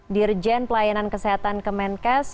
dirjen pelayanan kesehatan kemenkes